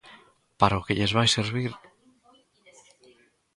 Para o que lles vai servir!